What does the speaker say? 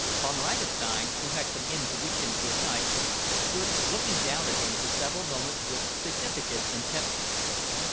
Von Ragastein, who had come in to wish him good night, stood looking down at him for several moments with significant intentness.